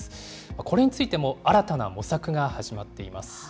これについても新たな模索が始まっています。